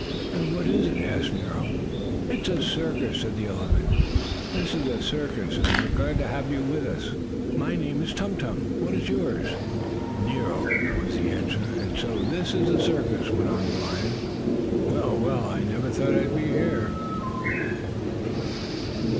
"Then what is it?" asked Nero. "It's a circus," said the elephant. "This is a circus, and we are glad to have you with us, jungle lion. My name is Tum Tum, what is yours?" "Nero," was the answer. "And so this is a circus!" went on the lion. "Well, well! I never thought I'd be here!"